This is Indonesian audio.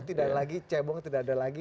tidak lagi cebong tidak ada lagi